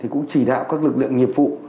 cũng chỉ đạo các lực lượng nghiệp vụ